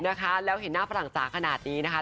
นะคะแล้วเห็นหน้าฝรั่งจ๋าขนาดนี้นะคะ